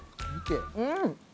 うん！